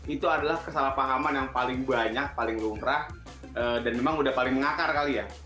itu adalah kesalahpahaman yang paling banyak paling lumrah dan memang udah paling mengakar kali ya